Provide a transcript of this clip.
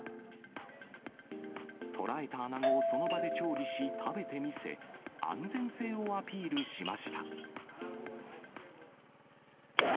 捉えた穴子をその場で調理し、食べてみせ、安全性をアピールしおや？